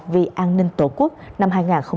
vì an ninh tổ quốc năm hai nghìn hai mươi bốn